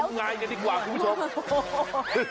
ไปนมงายกันดีกว่าคุณผู้ชม